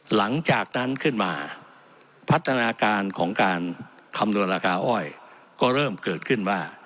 หลังจากนั้นขึ้นมาพัฒนาการของการคำนวณราคาอ้อยก็เริ่มเกิดขึ้นว่า